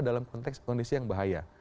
dalam konteks kondisi yang bahaya